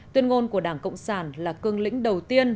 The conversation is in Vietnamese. tuyên ngôn của đảng cộng sản là cương lĩnh đầu tiên